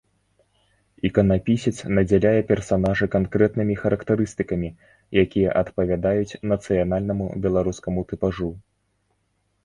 Іканапісец надзяляе персанажы канкрэтнымі характарыстыкамі, якія адпавядаюць нацыянальнаму беларускаму тыпажу.